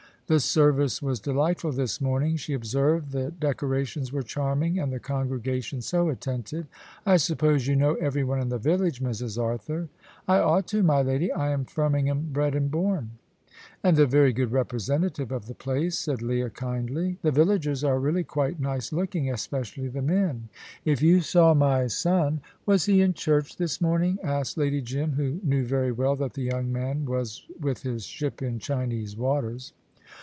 "The service was delightful this morning," she observed; "the decorations were charming and the congregation so attentive. I suppose you know every one in the village, Mrs. Arthur." "I ought to, my lady. I am Firmingham bred and born." "And a very good representative of the place," said Leah, kindly. "The villagers are really quite nice looking especially the men." "If you saw my son " "Was he in church this morning?" asked Lady Jim, who knew very well that the young man was with his ship in Chinese waters.